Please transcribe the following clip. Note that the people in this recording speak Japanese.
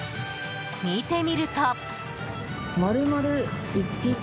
見てみると。